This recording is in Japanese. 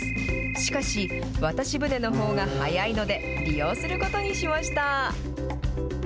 しかし、渡し船のほうが早いので、利用することにしました。